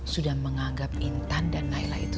sudah menganggap intan dan naila itu